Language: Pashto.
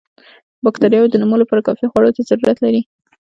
باکټریاوې د نمو لپاره کافي خوړو ته ضرورت لري.